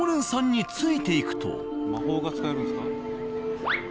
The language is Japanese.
魔法が使えるんですか？